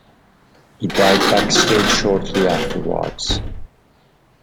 He died backstage shortly afterwards.